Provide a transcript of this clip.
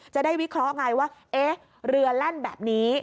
จะได้วิเคราะห์ไงว่าเรือเล่นแบบนี้